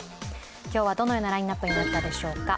今日はどのようなラインナップになったでしょうか。